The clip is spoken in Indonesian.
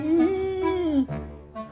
aku tuh sama bun bun